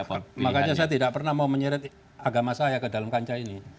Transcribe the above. makanya saya tidak pernah mau menyeret agama saya ke dalam kancah ini